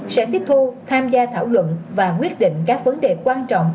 sẽ tiếp thu tham gia thảo luận và quyết định các vấn đề quan trọng